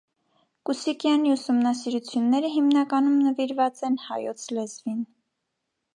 Կուսիկյանի ուսումնասիրությունները հիմնականում նվիրված են հայոց լեզվին։